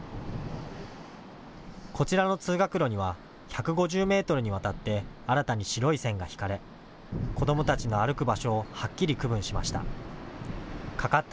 こちらの通学路には１５０メートルにわたって新たに白い線が引かれ、子どもたちの歩く場所をはっきり区分しました。